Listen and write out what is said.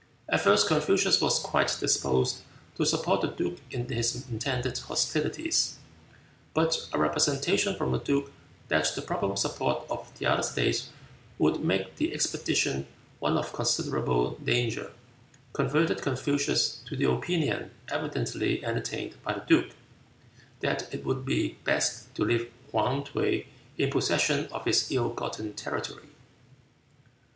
At first Confucius was quite disposed to support the duke in his intended hostilities; but a representation from the duke that the probable support of other states would make the expedition one of considerable danger, converted Confucius to the opinion evidently entertained by the duke, that it would be best to leave Hwan T'uy in possession of his ill gotten territory.